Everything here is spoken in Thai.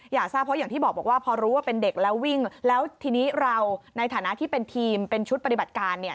อยากทราบเพราะอย่างที่บอกว่าพอรู้ว่าเป็นเด็กแล้ววิ่งแล้วทีนี้เราในฐานะที่เป็นทีมเป็นชุดปฏิบัติการเนี่ย